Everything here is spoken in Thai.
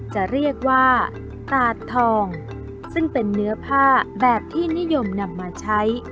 จะเรียกว่าตาดทองซึ่งเป็นเนื้อผ้าแบบที่นิยมนำมาใช้